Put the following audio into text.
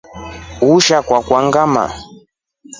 Ulisha kwakwa ngamaa.